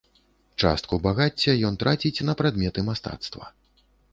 Частку багацця ён траціць на прадметы мастацтва.